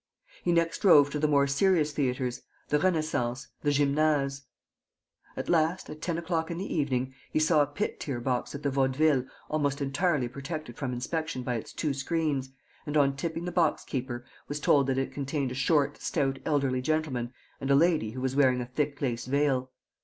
He next drove to the more serious theatres: the Renaissance, the Gymnase. At last, at ten o'clock in the evening, he saw a pit tier box at the Vaudeville almost entirely protected from inspection by its two screens; and, on tipping the boxkeeper, was told that it contained a short, stout, elderly gentleman and a lady who was wearing a thick lace veil.